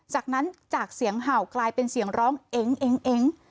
จากนั้นจากเสียงเห่ากลายเป็นเสียงร้องเอง